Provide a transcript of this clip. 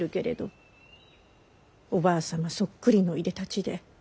おばあ様そっくりのいでたちで。